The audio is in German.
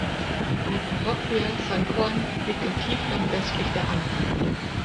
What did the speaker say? Die Parroquia San Juan liegt im Tiefland westlich der Anden.